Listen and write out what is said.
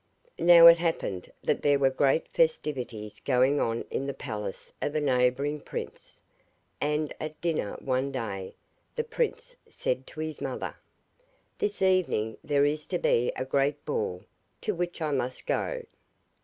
Now it happened that there were great festivities going on in the palace of a neighbouring prince, and at dinner, one day, the prince said to his mother: 'This evening there is to be a great ball, to which I must go.